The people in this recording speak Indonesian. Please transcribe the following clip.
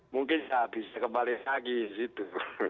mungkin bisa kembali lagi gitu